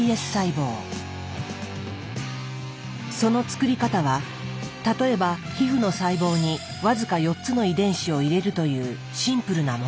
その作り方は例えば皮膚の細胞に僅か４つの遺伝子を入れるというシンプルなもの。